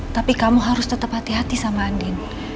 tapi kamu harus tetap hati hati sama andin